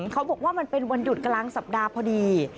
เขาบอกว่ามันเป็นวันหยุดกลางสัปดาห์พอดี